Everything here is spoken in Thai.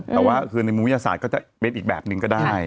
แต่ว่าคือในมุมวิทยาศาสตร์ก็จะเป็นอีกแบบหนึ่งก็ได้